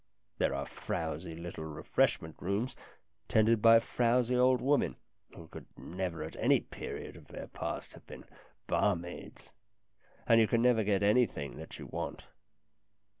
There are frowsy little refreshment rooms, tended by frowsy old women, who could never at any period of their past have been bar maids, and you can never get anything that you want.